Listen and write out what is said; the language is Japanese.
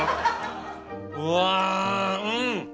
うわうん！